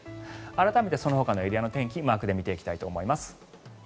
改めてそのほかのエリアの天気をマークで見ていきたいと思います。